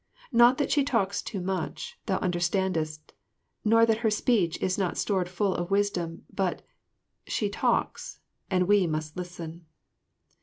Not that she talks too much, thou understandest, nor that her speech is not stored full of wisdom, but she talks and we must listen.